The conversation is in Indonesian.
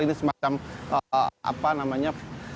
ini semacam apa namanya